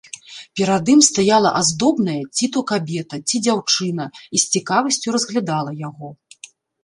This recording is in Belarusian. Перад ім стаяла аздобная ці то кабета, ці дзяўчына і з цікавасцю разглядала яго.